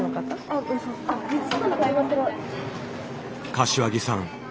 柏木さん